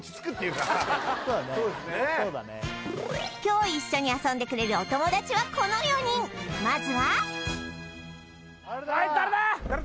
確かに今日一緒に遊んでくれるお友達はこの４人まずははい誰だ？